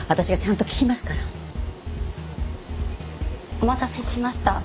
お待たせしました。